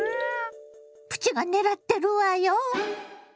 プチが狙ってるわよ。